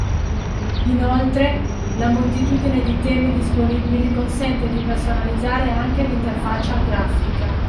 Inoltre, la moltitudine di temi disponibili consente di personalizzare anche l'interfaccia grafica